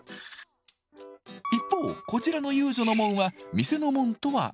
一方こちらの遊女の紋は店の紋とは違います。